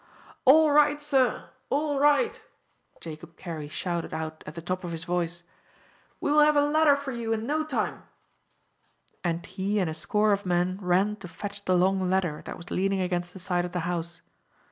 "All right, sir, all right," Jacob Carey shouted out at the top of his voice; "we will have a ladder for you in no time," and he and a score of men ran to fetch the long ladder that was leaning against the side of the house.